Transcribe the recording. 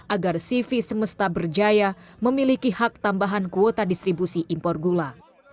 agar sivi semesta berjaya memiliki hak tambahan kuota distribusi impor gula